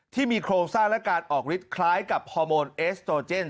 ที่มีโครงสร้างและการออกฤทธิคล้ายกับฮอร์โมนเอสโตเจน